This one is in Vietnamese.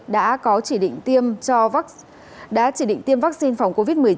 đã có chỉ định tiêm vaccine phòng covid một mươi chín